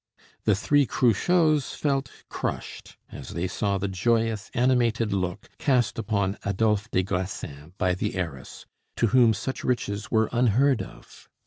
The three Cruchots felt crushed as they saw the joyous, animated look cast upon Adolphe des Grassins by the heiress, to whom such riches were unheard of.